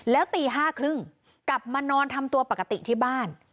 แล้วตี๕๓๐กลับมานอนทำตัวปกติที่บ้าน